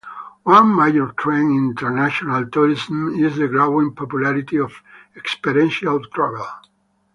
One major trend in international tourism is the growing popularity of experiential travel.